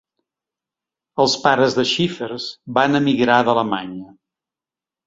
Els pares de Schiffers van emigrar d'Alemanya.